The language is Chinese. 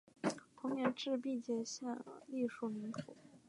同年置毕节县隶威宁府。